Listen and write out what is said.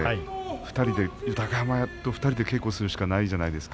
２人で豊山と２人で稽古するしかないじゃないですか。